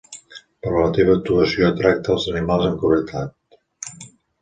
Però la teva actuació tracta els animals amb crueltat.